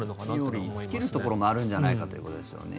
冥利に尽きるところもあるんじゃないかということですよね。